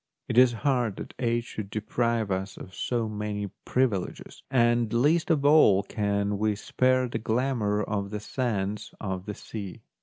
It is hard that age should deprive us of so many privileges, and least of all can we spare the glamour of the sands of the sea.